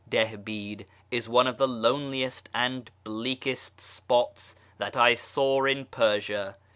Dihbid is one of the loneliest and bleakest spots that I saw in Persia.